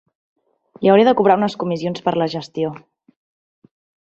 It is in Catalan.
Li hauré de cobrar unes comissions per la gestió.